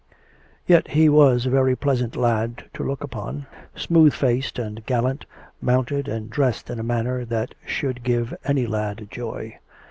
Yet he was a very pleasant lad to look upon, smooth faced and gallant, mounted and dressed in a manner that should give any lad joy.